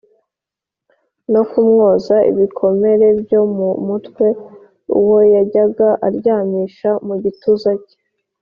no kumwoza ibikomere byo mu mutwe, uwo yajyaga aryamisha mu gituza cye